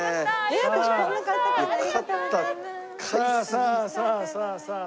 さあさあさあさあ。